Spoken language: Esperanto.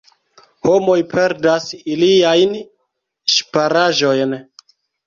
Homoj perdas iliajn ŝparaĵojn.